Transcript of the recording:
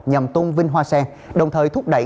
nhằm tôn vinh hoa sen đồng thời thúc đẩy